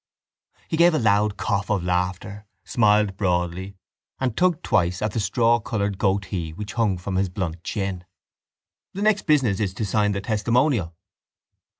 He gave a loud cough of laughter, smiled broadly and tugged twice at the strawcoloured goatee which hung from his blunt chin. —The next business is to sign the testimonial.